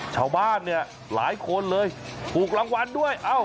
ชาวบ้านเนี่ยหลายคนเลยถูกรางวัลด้วย